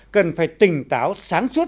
cần phải tỉnh táo sáng suốt